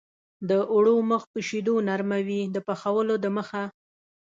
د اوړو مخ په شیدو نرموي د پخولو دمخه.